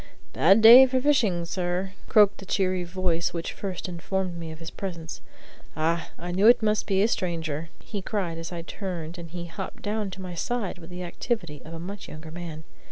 "Bad day for fishing, sir," croaked the cheery voice which first informed me of his presence. "Ah, I knew it must be a stranger," he cried as I turned and he hopped down to my side with the activity of a much younger man.